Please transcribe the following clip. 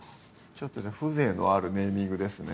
ちょっと風情のあるネーミングですね